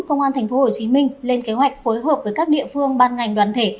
công an tp hcm lên kế hoạch phối hợp với các địa phương ban ngành đoàn thể